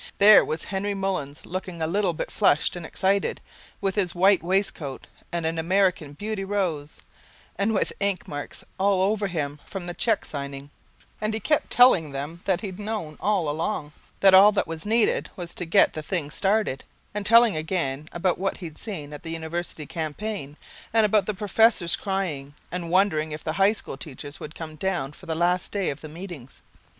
There was Henry Mullins looking a little bit flushed and excited, with his white waistcoat and an American Beauty rose, and with ink marks all over him from the cheque signing; and he kept telling them that he'd known all along that all that was needed was to get the thing started and telling again about what he'd seen at the University Campaign and about the professors crying, and wondering if the high school teachers would come down for the last day of the meetings.